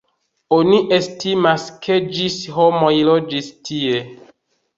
Oni estimas, ke ĝis homoj loĝis tie.